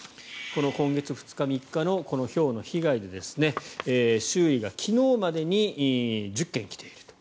今月２日、３日のひょうの被害で修理が昨日までに１０件来ていると。